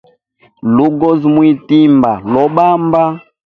Lugozi mwitimba lobamba.